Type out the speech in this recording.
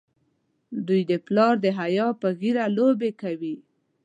دوی د پلار د حیا په ږیره لوبې کوي.